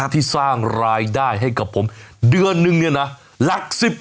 ที่สร้างรายได้ให้กับผมเดือนนึงเนี่ยนะหลัก๑๐